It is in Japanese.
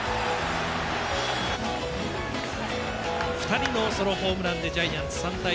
２人のソロホームランでジャイアンツ３対１。